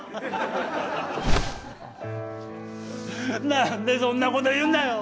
何でそんなこと言うんだよ！